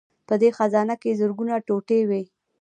په دې خزانه کې زرګونه ټوټې وې